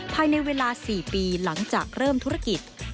ภายในเวลา๔ปีหลังจากเริ่มธุรกิจ